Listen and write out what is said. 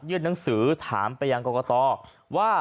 ยื่นหนังสือถามไปอย่างกรกตอว่า